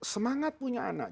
semangat punya anak